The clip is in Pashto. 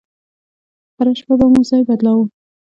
هره شپه به مو ځاى بدلاوه.